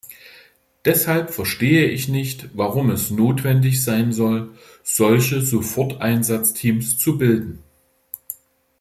Deshalb verstehe ich nicht, warum es notwendig sein soll, solche Soforteinsatzteams zu bilden.